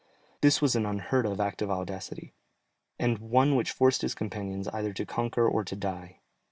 This was an unheard of act of audacity, and one which forced his companions either to conquer or to die.